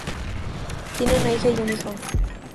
Tiene una hija y un hijo.